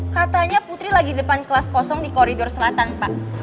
katanya putri lagi depan kelas kosong di koridor selatan pak